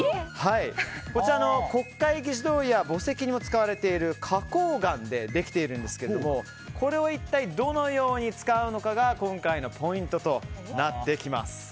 こちら、国会議事堂や墓石にも使われている花崗岩でできているんですがこれを一体どのように使うのかが今回のポイントとなってきます。